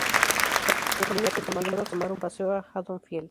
Loomis se ve obligado a tomar un paseo a Haddonfield.